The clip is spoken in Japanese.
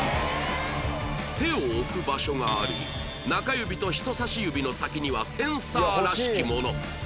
手を置く場所があり中指と人さし指の先にはセンサーらしきもの